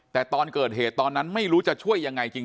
แต่ตอนเกิดเหตุตอนนั้นไม่รู้จะช่วยยังไงจริง